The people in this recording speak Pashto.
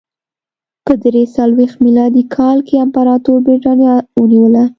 په درې څلوېښت میلادي کال کې امپراتور برېټانیا ونیوله